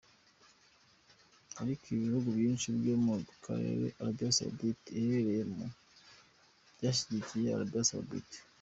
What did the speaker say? Ariko ibihugu byinshi byo mu karere Arabie Saoudite iherereyemo byashyigikiye Arabie Saoudite.